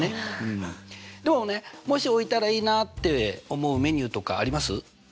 でもねもし置いたらいいなって思うメニューとかあります？